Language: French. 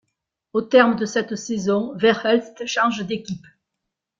Au terme de cette saison, Verhelst change d'équipe.